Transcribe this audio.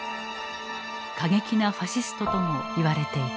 過激なファシストともいわれていた。